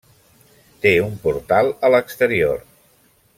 Té un portal a l'exterior.